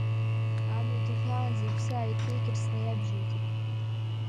Амҩа дықәлаанӡа, иԥсы ааиҭеикырц наиабжьеигеит.